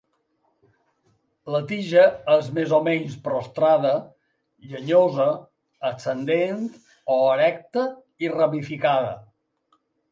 La tija és més o menys prostrada, llenyosa, ascendent o erecta i ramificada.